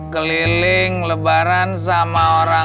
keliling lebaran sama orang